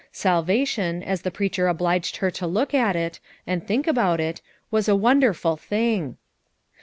Salvation, as the preacher obliged her to look at it, and think about it, was a wonderful thing!